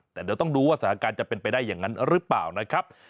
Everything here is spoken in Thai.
แต่เดี๋ยวต้องดูว่าสถานการณ์จะเป็นไปได้อย่างนั้นหรือเปล่านะครับ